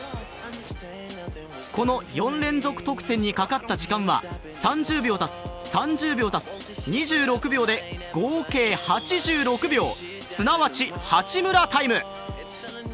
この４連続得点にかかった時間は３０秒足す３０秒足す２６秒で、合計８６秒、すなわち、ハチムラタイム。